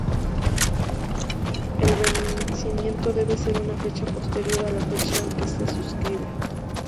El vencimiento debe ser una fecha posterior a la fecha en que se suscribe.